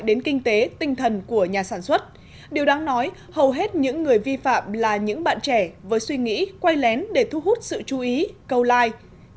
điều đáng nói hầu hết những người vi phạm là những bạn trẻ với suy nghĩ quay lén để thu hút sự chú ý cầu like